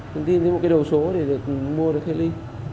nhắn tin với một cái đầu số để được mua được hê ly